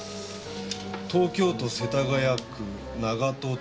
「東京都世田谷区長門町」。